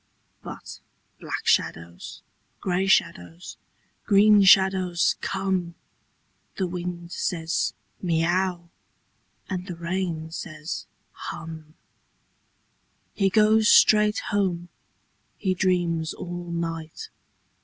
But black shadows, grey shadows, green shadows come. The wind says, " Miau !" and the rain says, « Hum !" He goes straight home. He dreams all night.